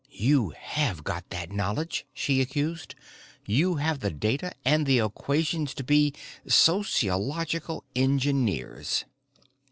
"You have got that knowledge," she accused. "You have the data and the equations to be sociological engineers."